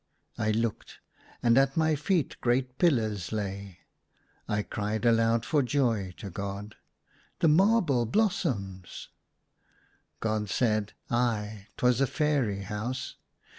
I looked, and at my feet great pillars lay. I cried aloud for joy to God, " The marble blossoms !" ACROSS MY BED. 153 God said, " Ay, 'twas a fairy house.